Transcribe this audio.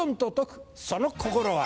その心は？